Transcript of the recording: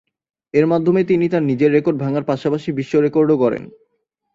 এর মাধ্যমে তিনি তার নিজের রেকর্ড ভাঙ্গার পাশাপাশি বিশ্ব রেকর্ডও গড়েন।